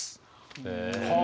へえ！